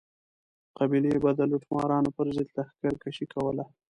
قبیلې به د لوټمارانو پر ضد لښکر کشي کوله.